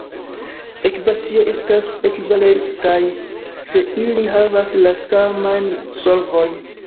Ekvacioj estas "ekvivalentaj", se ili havas la samajn solvojn.